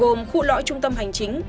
gồm khu lõi trung tâm hành chính